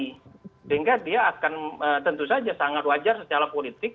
sehingga dia akan tentu saja sangat wajar secara politik